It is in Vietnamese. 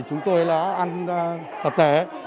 chúng tôi đã ăn tập thể